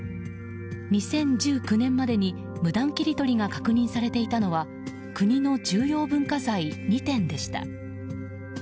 ２０１９年までに無断切り取りが確認されていたのは国の重要文化財２点でした。